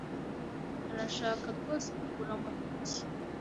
Arashaka rwose kugura moto nshya.